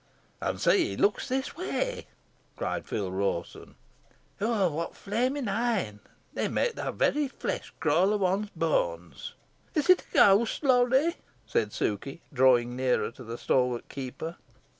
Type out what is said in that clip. "An see, he looks this way," cried Phil Rawson. "What flaming een! they mey the very flesh crawl o' one's booans." "Is it a ghost, Lorry?" said Sukey, drawing nearer to the stalwart keeper.